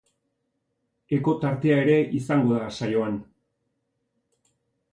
Eko tartea ere izango da saioan.